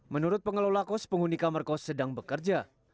menurut pengelola kos penghuni kamar kos sedang bekerja